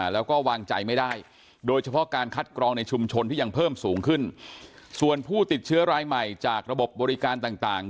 แล้วก็วางใจไม่ได้โดยเฉพาะการคัดกรองในชุมชนที่ยังเพิ่มสูงขึ้นส่วนผู้ติดเชื้อรายใหม่จากระบบบริการต่าง